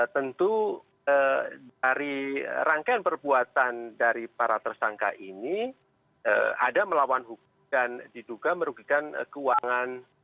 tentu dari rangkaian perbuatan dari para tersangka ini ada melawan hukum dan diduga merugikan keuangan